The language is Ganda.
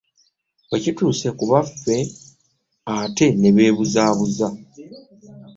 Bwe kituuse ku baffe ate ne beebuzaabuza.